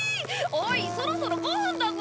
おいそろそろ５分だぞ！